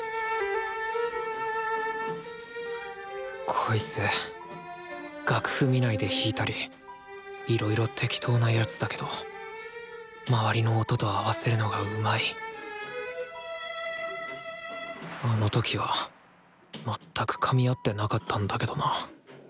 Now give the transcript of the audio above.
こいつ楽譜見ないで弾いたりいろいろテキトーな奴だけど周りの音と合わせるのがうまいあの時は全くかみ合ってなかったんだけどな。